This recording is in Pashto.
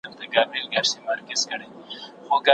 د پوهنتونونو محصلان باید عملي لارښودونه زده کړي.